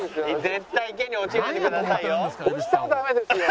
絶対池に落ちないでくださいよ。